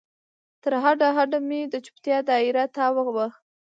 تر هډ، هډ مې د چوپتیا دا یره تاو وه